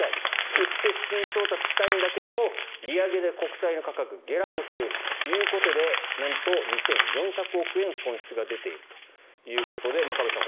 売って資金調達したいんだけど利上げで国債の価格が下落しているということでなんと２４００億円損失が出ているということで真壁さん